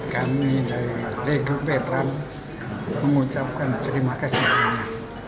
kami dari lego veteran mengucapkan terima kasih banyak